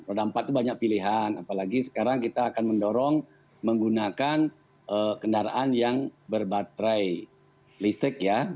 roda empat itu banyak pilihan apalagi sekarang kita akan mendorong menggunakan kendaraan yang berbaterai listrik ya